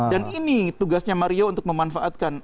dan ini tugasnya mario untuk memanfaatkan